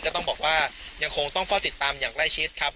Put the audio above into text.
ก็ต้องบอกว่ายังคงต้องเฝ้าติดตามอย่างใกล้ชิดครับ